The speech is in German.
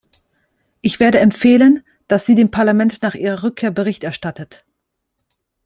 Ich werde empfehlen, dass sie dem Parlament nach ihrer Rückkehr Bericht erstattet.